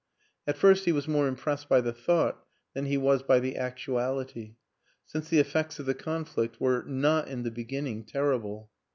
At first he was more impressed by the thought than he was by the actuality since the effects of the conflict were not in the beginning terrible.